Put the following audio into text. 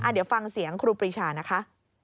เดี๋ยวฟังเสียงครูปรีชานะคะ